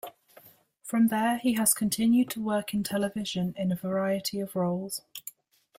From there, he has continued to work in television in a variety of roles.